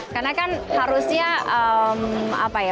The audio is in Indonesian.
karena kan harusnya